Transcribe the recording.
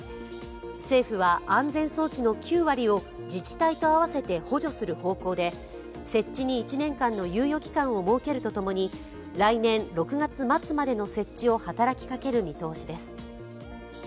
政府は安全装置の９割を自治体と合わせて補助する方向で設置に１年間の猶予期間を設けるとともに来年６月末までの設置を働きかける見通しです。